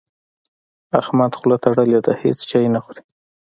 احمد خوله تړلې ده؛ هيڅ شی نه خوري.